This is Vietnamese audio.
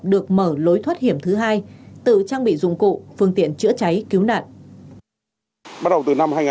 được mở lối thoát hiểm thứ hai tự trang bị dụng cụ phương tiện chữa cháy cứu nạn